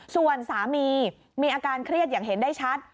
ส่วนสามีมีอาการเครียดอย่างเห็นได้ชัด